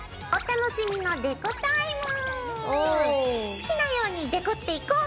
好きなようにデコっていこう！